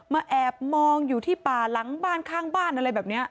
แอบมองอยู่ที่ป่าหลังบ้านข้างบ้านอะไรแบบนี้